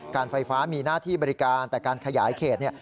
การไฟฟ้ามีหน้าที่บริการแต่การขยายเขตเนี่ย